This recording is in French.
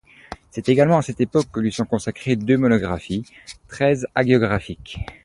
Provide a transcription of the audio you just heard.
C'est également à cette époque que lui sont consacrées deux monographies, très hagiographiques.